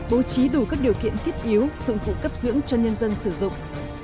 bố trí đủ các điều kiện thiết yếu dụng cụ cấp dưỡng cho nhân dân sử dụng